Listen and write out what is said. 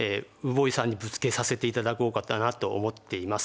柏毅さんにぶつけさせて頂こうかなと思っています。